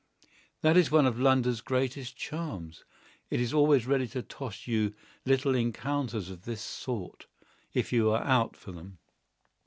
That is one of London's greatest charms: it is always ready to toss you little encounters of this sort, if you are out for them.